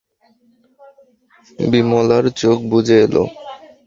বিমলার চোখ বুজে এল।